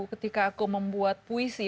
ketika aku membuat puisi